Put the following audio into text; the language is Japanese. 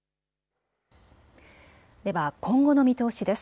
では今後の見通しです。